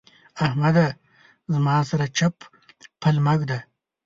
احمده! زما سره چپ پل مه اېږده.